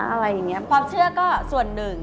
อะไรอย่างนี้ความเชื่อก็ส่วนหนึ่ง